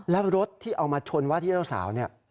แล้วรถที่เอามาชนว่าที่เจ้าสาวเนี่ย